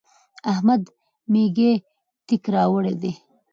د احمد مېږي تېک راوړی دی.